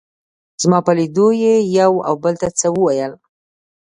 زما په لیدو یې یو او بل ته څه وویل.